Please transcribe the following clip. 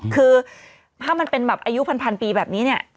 คือถ้ามันเป็นแบบอายุพันปีแบบนี้เนี่ย